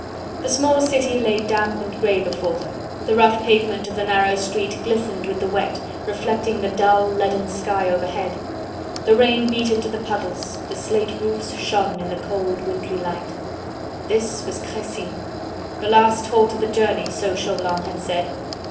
The small city lay damp and grey before them; the rough pavement of the narrow street glistened with the wet, reflecting the dull, leaden sky overhead; the rain beat into the puddles; the slate roofs shone in the cold wintry light. This was Crecy! The last halt of the journey, so Chauvelin had said.